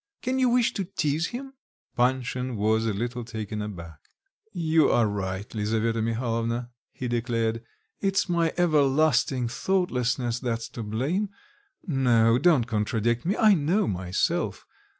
Can you wish to teaze him?" Panshin was a little taken aback. "You are right, Lisaveta Mihalovna," he declared. "It's my everlasting thoughtlessness that's to blame. No, don't contradict me; I know myself.